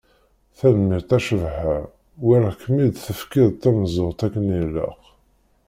Tanemmirt a Cabḥa, walaɣ-kem-id tefkiḍ-d tameẓẓuɣt akken i ilaq.